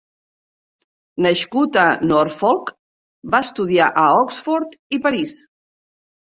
Nascut a Norfolk, va estudiar a Oxford i París.